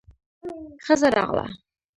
ښځه راغله.